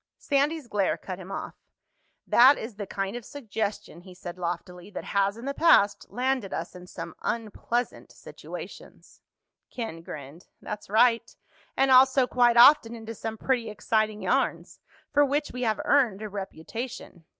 Sandy's glare cut him off. "That is the kind of suggestion," he said loftily, "that has, in the past, landed us in some unpleasant situations." Ken grinned. "That's right. And also, quite often, into some pretty exciting yarns. For which we have earned a reputation.